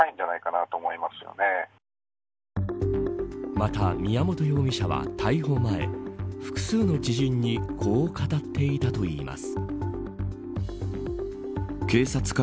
また、宮本容疑者は逮捕前複数の知人にこう語っていたといいます。